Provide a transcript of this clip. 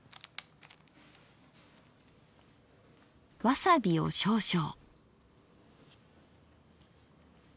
わさびを少々。